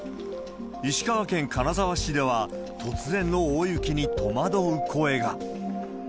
石川県金沢市では、突然の大雪に戸惑う声が。